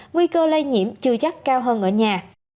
nguy cơ lây nhiễm chưa chắc cao hơn ở nhà